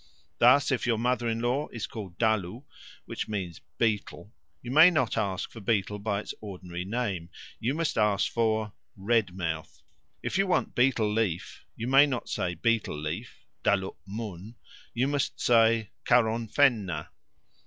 Thus, if your mother in law is called Dalu, which means "betel," you may not ask for betel by its ordinary name, you must ask for "red mouth"; if you want betel leaf, you may not say betel leaf (dalu 'mun), you must say _karon fenna.